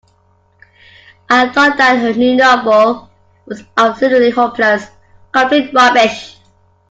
I thought that her new novel was absolutely hopeless. Complete rubbish